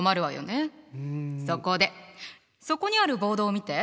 そこでそこにあるボードを見て。